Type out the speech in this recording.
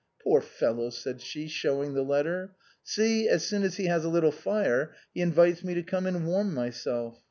Poor fellow," said she, showing the letter, " see, as soon as he has a little fire, he invites me to come and warm myself.